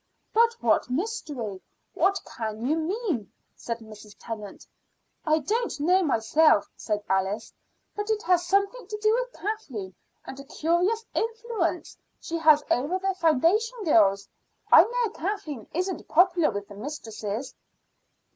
"But what mystery? What can you mean?" said Mrs. Tennant. "I don't know myself," said Alice, "but it has something to do with Kathleen and a curious influence she has over the foundation girls. I know Kathleen isn't popular with the mistresses."